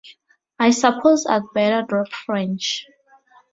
I suppose I’d better drop French.